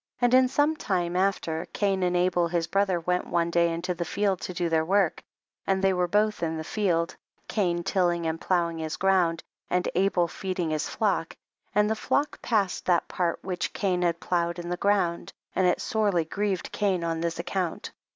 17. And in some time after, Cain and Abel his brother went one day into the field to do their work ; and they were both in the field, Cain tilling and ploughing his ground, and Abel feeding his flock ; and the flock passed that part which Cain had ploughed in the ground, and it sorely grieved Cain on this account.